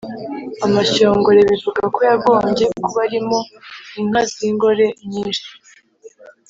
amashyongore bivuga ko yagombye kuba arimo inka z‘ingore nyinshi.